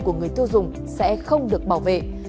của người thư dùng sẽ không được bảo vệ